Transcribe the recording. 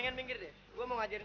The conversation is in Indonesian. gitu nggak ada air suara